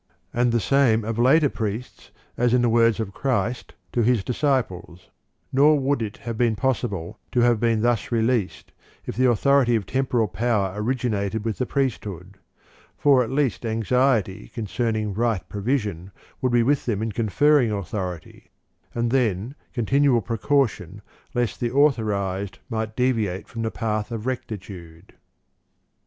m and the same of later priests as in the words of Christ to His disciples/ Nor would it have been possible to have been thus released, if the authority of temporal power originated with the priesthood ; for at least anxiety concerning right provision would be with them in conferring authority, and then continual precaution, lest the authorized might deviate from the path of rectitude.